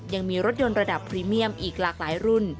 ยังมีรถยนต์ระดับพรีเมียมอีกหลากหลายรุ่น